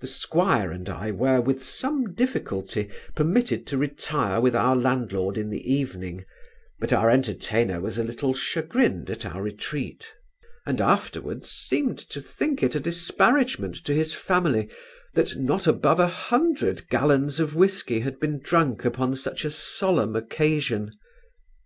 The 'squire and I were, with some difficulty, permitted to retire with our landlord in the evening; but our entertainer was a little chagrined at our retreat; and afterwards seemed to think it a disparagement to his family, that not above a hundred gallons of whisky had been drunk upon such a solemn occasion.